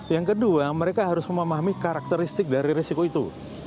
yang kedua mereka harus memahami karakteristik dari resiko itu